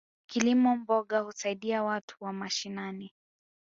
Kilimo mboga husaidia watu wa mashinani.